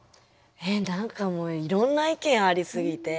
えっ何かもういろんな意見ありすぎて。